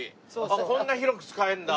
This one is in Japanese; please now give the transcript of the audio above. こんな広く使えるんだ。